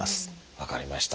分かりました。